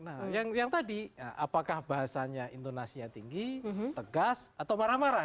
nah yang tadi apakah bahasanya intonasinya tinggi tegas atau marah marah